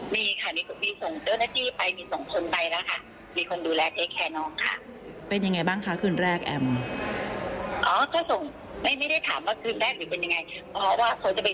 ไม่ได้ถามว่าคือแรกหรือเป็นยังไงเพราะว่าเขาจะเป็นส่งแพร่เสื้อผ้าส่งอาหารอะไรอย่างนี้